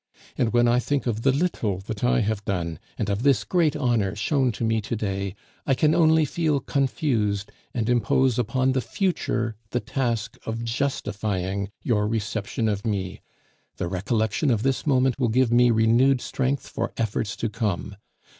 And when I think of the little that I have done, and of this great honor shown to me to day, I can only feel confused and impose upon the future the task of justifying your reception of me. The recollection of this moment will give me renewed strength for efforts to come.